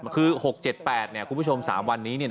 คือ๖๗๘คุณผู้ชม๓วันนี้